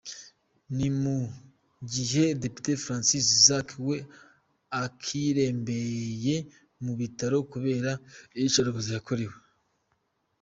Ni mu gihe depite Francis Zaake we akirembeye mu bitaro kubera iyicarubozo yakorewe.